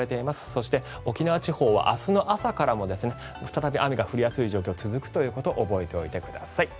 そして沖縄地方は明日の朝からも再び雨が降りやすい状況が続くということを覚えておいてください。